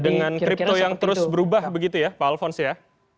dengan kripto yang terus berubah begitu ya pak alphonse ya